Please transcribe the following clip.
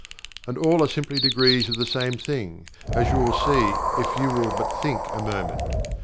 And all are simply degrees of the same thing, as you will see if you will but think a moment.